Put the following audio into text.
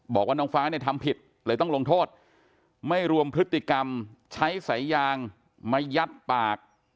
บอกว่าน้องฟ้าเนี่ยทำผิดเลยต้องลงโทษไม่รวมพฤติกรรมใช้สายยางมายัดปาก